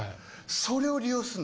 それを利用する。